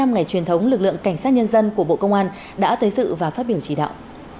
năm ngày truyền thống lực lượng cảnh sát nhân dân của bộ công an đã tới sự và phát biểu chỉ đạo